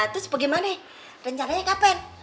terus apa gimana rencananya kapan